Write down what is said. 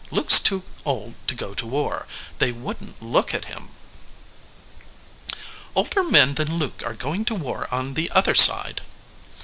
Luke s too old to go to war. They wouldn t look at him." "Older men than Luke are going to war on the other side."